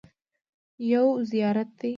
یو زیارت دی.